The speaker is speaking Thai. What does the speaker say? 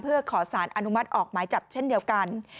เพื่อขอสารอนุมัติออกหมายจับเช่นเดียวกัน